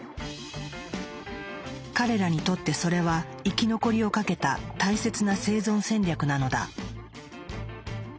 彼らにとってそれは生き残りを懸けた大切な生存戦略なのだ。